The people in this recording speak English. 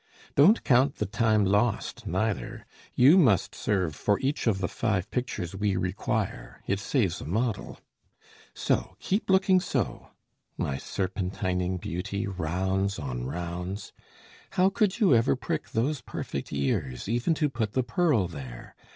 Don't count the time lost, neither: you must serve For each of the five pictures we require; It saves a model. So! keep looking so My serpentining beauty, rounds on rounds! How could you ever prick those perfect ears, Even to put the pearl there!